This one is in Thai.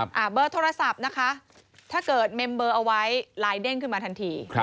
เบอร์โทรศัพท์นะคะถ้าเกิดเมมเบอร์เอาไว้ไลน์เด้งขึ้นมาทันทีครับ